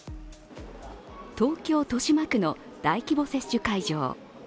東京・豊島区の大規模接種会場。